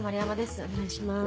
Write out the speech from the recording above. お願いします。